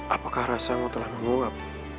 apakah rasamu telah menguap